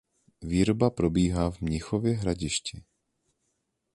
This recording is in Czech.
Výroba probíhá v Mnichově Hradišti.